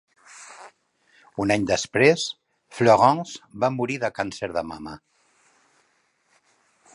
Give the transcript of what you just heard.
Un any després Florence va morir de càncer de mama.